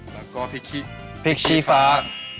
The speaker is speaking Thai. แล้วก็พริกขี้พริกชี้ฟ้า